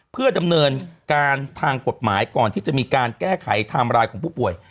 เพื่อดำเนินการทางกฎหมายก่อนที่จะมีการแก้ไขไทม์ไลน์ของผู้ป่วย